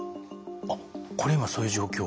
あっこれ今そういう状況？